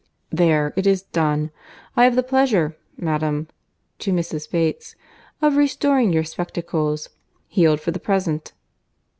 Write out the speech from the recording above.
There, it is done. I have the pleasure, madam, (to Mrs. Bates,) of restoring your spectacles, healed for the present."